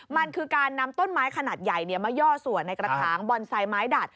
มันคือการนำต้นไม้ขนาดใหญ่มาย่อส่วนในกระถางบอนไซต์ไม้ดัด